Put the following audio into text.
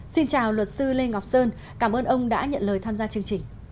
xin chào luật sư lê ngọc sơn cảm ơn ông đã nhận lời tham gia chương trình